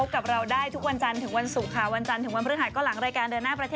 ข้าวใส่ไข่